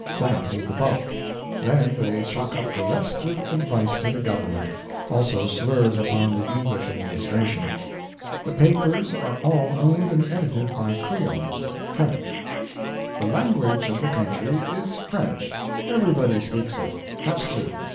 That is the bulk. Then they chock up the rest with advice to the Government. Also, slurs upon the English administration. The papers are all owned and edited by creoles French. "The language of the country is French. Everybody speaks it has to.